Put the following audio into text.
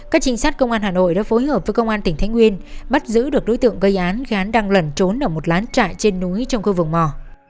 các trinh sát công an hà nội đã phối hợp với công an tỉnh thánh nguyên bắt giữ được đối tượng gây án khi hắn đang lẩn trốn ở một lán trại trên núi trong cơ vùng mò